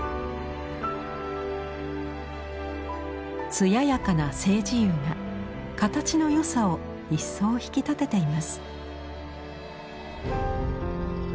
艶やかな青磁釉が形の良さを一層引き立てています。